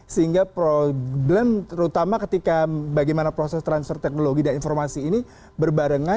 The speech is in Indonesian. sehingga problem terutama ketika bagaimana proses transfer teknologi dan informasi ini berbarengan